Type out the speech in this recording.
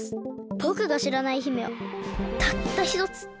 ぼくがしらない姫はたったひとつ。